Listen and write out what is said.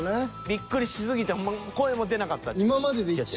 びっくりし過ぎて声も出なかった？